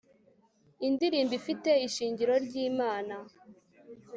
indirimbo ifite ishingiro ryimana